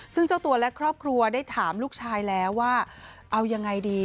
ซึ่งเจ้าตัวและครอบครัวได้ถามลูกชายแล้วว่าเอายังไงดี